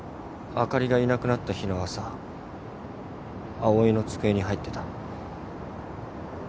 あかりがいなくなった日の朝葵の机に入ってた。